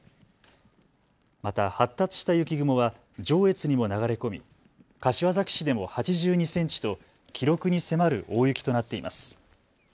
また発達した雪雲は上越にも流れ込み柏崎市でも８２センチと記録に迫る大雪となっています。